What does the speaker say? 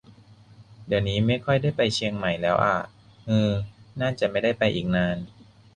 เดี่ยวนี้ไม่ค่อยได้ไปเชียงใหม่แล้วอ่า ฮือ น่าจะไม่ได้ไปอีกนาน